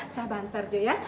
sabar terju ya